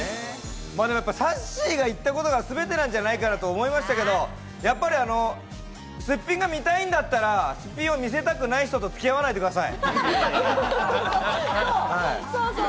さっしーが言ったことが全てなんじゃないかなと思いましたけど、すっぴんが見たいんだったら、すっぴんを見せたくない人とつき合わないでください。